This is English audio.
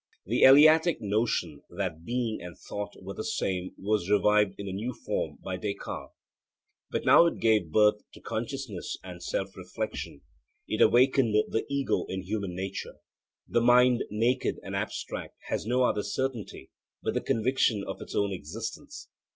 The Eleatic notion that being and thought were the same was revived in a new form by Descartes. But now it gave birth to consciousness and self reflection: it awakened the 'ego' in human nature. The mind naked and abstract has no other certainty but the conviction of its own existence.